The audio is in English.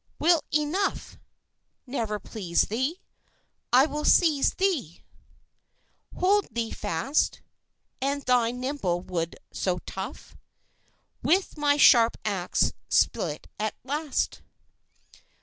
"Will enough Never please thee? I will seize thee, Hold thee fast, And thy nimble wood so tough With my sharp axe split at last.